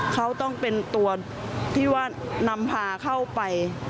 เขาต้องเป็นตัวที่ว่านำพาเข้าไป